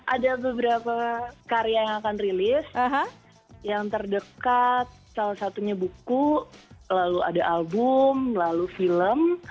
ada beberapa karya yang akan rilis yang terdekat salah satunya buku lalu ada album lalu film